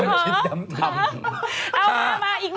เอามามาอีกหนึ่งครั้ง